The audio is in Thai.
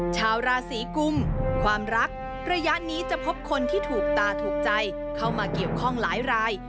ชาวราศีกุมความรักระยะนี้จะพบคนที่ถูกตาถูกใจเข้ามาเกี่ยวข้องหลายราย